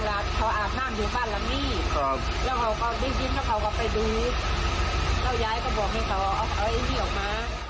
แล้วยายก็บอกให้เขาเอาไอ้นี่ออกมา